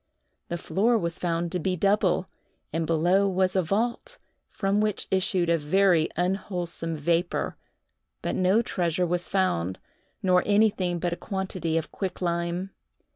The floor was found to be double, and below was a vault, from which issued a very unwholesome vapor, but no treasure was found, nor anything but a quantity of quicklime.